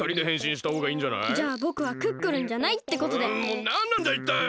もうなんなんだいったい！